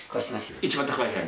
一番高い部屋に？